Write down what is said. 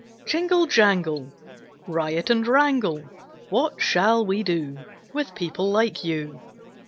JINGLE, jangle! Riot and wrangle! What shall we do With people like you?